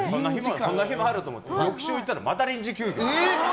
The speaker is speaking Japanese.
そんな日もあるといって翌週に行ったらまた臨時休業で。